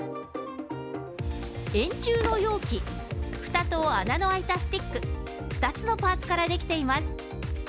円柱の容器、ふたと穴の開いたスティック、２つのパーツから出来ています。